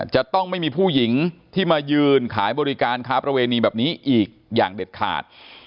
จะต้องไม่มีผู้หญิงที่มายืนขายบริการค้าประเวณีแบบนี้อีกอย่างเด็ดขาด